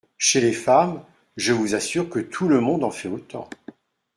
Chez les femmes, je vous assure Que tout le monde en fait autant …